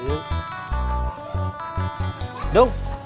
yang bener dung